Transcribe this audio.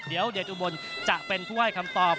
เดี๋ยวเดจุบลจะเป็นผู้ให้คำตอบ